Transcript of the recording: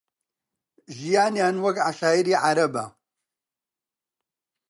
ژیانیان وەک عەشایری عەرەبە